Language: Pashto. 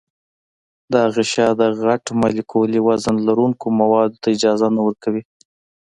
دا غشا د غټ مالیکولي وزن لرونکو موادو ته اجازه نه ورکوي.